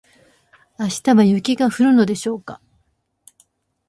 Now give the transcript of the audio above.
明日は雪が降るのでしょうか